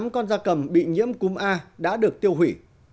hai nghìn một trăm một mươi tám con da cầm bị nhiễm cúm a đã được tiêu hủy